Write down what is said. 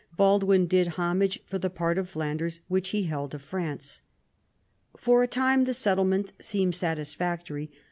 Baldwin did homage for the part of Flanders which he held of France. For a time the settlement seemed satisfactory.